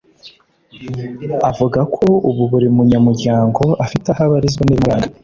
Avuga ko ubu buri munyamuryango afite aho abarizwa n’ibimuranga